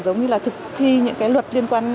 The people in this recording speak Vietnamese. giống như thực thi những luật liên quan